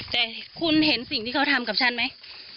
แต่คุณเห็นสิ่งที่เขาทำกับฉันไหม